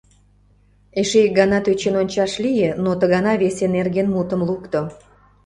Эше ик гана тӧчен ончаш лие, но ты гана весе нерген мутым лукто.